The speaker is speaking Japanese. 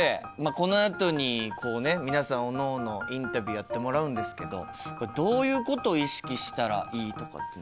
このあとにこうね皆さんおのおのインタビューやってもらうんですけどこれどういうことを意識したらいいとかっていうのはありますか？